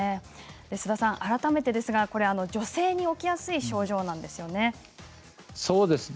須田さん、改めてですが女性に起きやすい症状なんですよね。